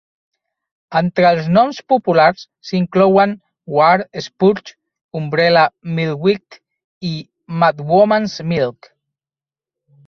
Entre els noms populars s'inclouen wart spurge, umbrella milkweed i "madwoman's milk".